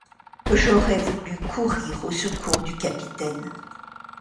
J’aurais voulu courir au secours du capitaine.